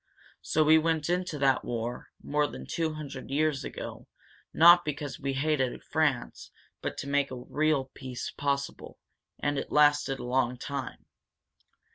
So we went into that war, more than two hundred years ago, not because we hated France, but to make a real peace possible. And it lasted a long time.